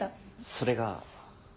それが。